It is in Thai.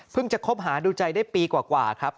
จะคบหาดูใจได้ปีกว่าครับ